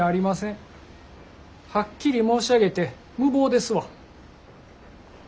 はっきり申し上げて無謀ですわ。